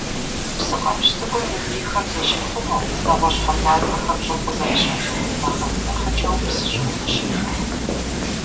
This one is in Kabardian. Псыкъэпщ цӀыкӀум, и бийхэм зыщихъумэу, нэгъуэщӀ хьэпӀацӀэхэм щӀым къызэрыщажыхьым нэхърэ мынэхъыкӀэу псы щӀыӀум къыщежыхь.